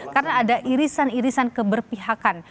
karena ada irisan irisan keberpihakan